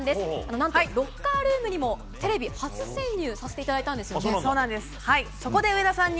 何と、ロッカールームにもテレビ初潜入させていただいたんですよね。